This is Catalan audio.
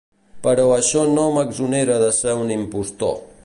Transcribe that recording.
Però això no m'exonera de ser un impostor.